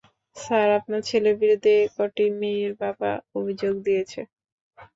Sir, আপনার ছেলের বিরুদ্ধে এ কটি মেয়ের বাবা অভিযোগ দিয়েছে।